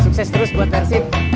sukses terus buat persib